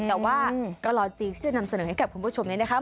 แต่ว่ากระลอจริงที่จะนำเสนอให้กับคุณผู้ชมนี้นะคะ